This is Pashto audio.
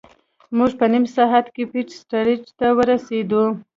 موږ په نیم ساعت کې پیټ سټریټ ته ورسیدو.